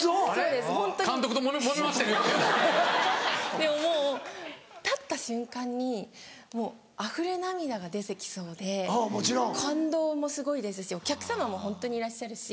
でももう立った瞬間にもうあふれ涙が出て来そうで感動もすごいですしお客様もホントにいらっしゃるし。